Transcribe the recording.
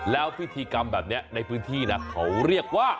แล้วพิธีกรรมแบบนี้ในพื้นที่นะเขาเรียกว่า